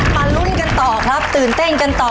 ลุ้นกันต่อครับตื่นเต้นกันต่อ